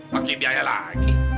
pakai biaya lagi